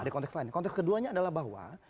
konteks keduanya adalah bahwa